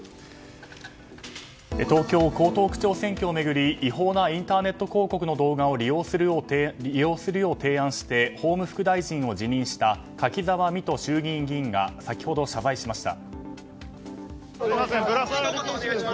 東京・江東区選挙を巡り違法なインターネット広告の動画を利用するよう提案して法務副大臣を辞任した柿沢未途衆議院議員が先ほど謝罪しました。